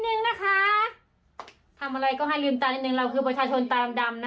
หนึ่งนะคะทำอะไรก็ให้ลืมตานิดนึงเราคือประชาชนตาดำดำนะคะ